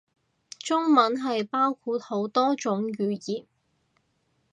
中文係包括好多種語言